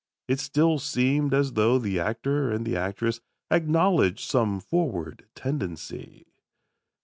It still seemed as though the actor and the actress acknowledged some forward tendency.